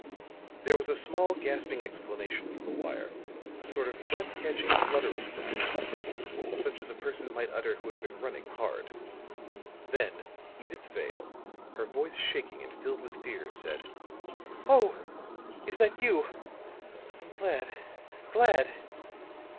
There was a small, gasping exclamation from the wire, a sort of breath catching flutter of sound such as a person might utter who had been running hard. Then Edyth Vale, her voice shaking and filled with fear, said: "Oh! Is that you! I'm glad glad!"